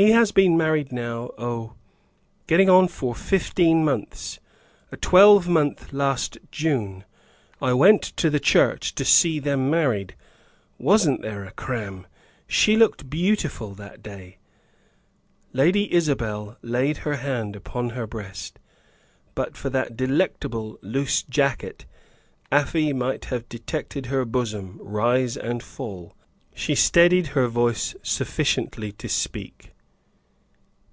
"He has been married now oh, getting on for fifteen months; a twelvemonth last June. I went to the church to see them married. Wasn't there a cram! She looked beautiful that day." Lady Isabel laid her hand upon her breast. But for that delectable "loose jacket," Afy might have detected her bosom rise and fall. She steadied her voice sufficiently to speak.